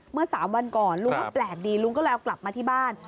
เมื่อ๓วันก่อนลุงก็แปลกดีลุงก็เลยเอากลับมาที่บ้าน